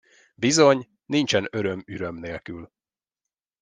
Bizony, nincsen öröm üröm nélkül!